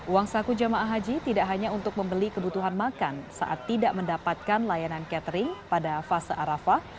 uang saku jemaah haji tidak hanya untuk membeli kebutuhan makan saat tidak mendapatkan layanan catering pada fase arafah